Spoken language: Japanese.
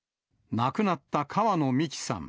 亡くなった川野美樹さん。